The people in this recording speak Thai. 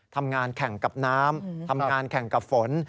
ทำงานแข่งกับน้ำทำงานแข่งกับฝน